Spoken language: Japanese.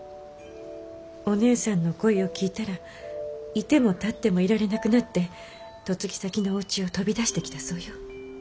お姉さんの声を聞いたら居ても立ってもいられなくなって嫁ぎ先のおうちを飛び出してきたそうよ。